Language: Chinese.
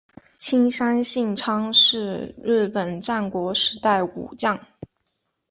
青山信昌是日本战国时代武将。